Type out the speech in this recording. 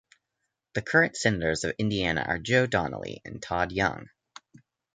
The current senators of Indiana are Joe Donnelly and Todd Young.